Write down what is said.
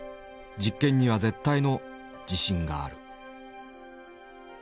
実験には絶対の自信がある」。